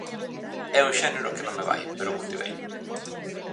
É un xénero que non me vai, pero cultiveino.